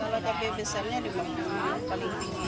kalau cabai besarnya dibuat